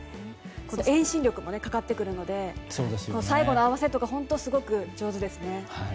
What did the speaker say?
遠心力もかかってくるので最後の合わせとかが本当に上手ですね。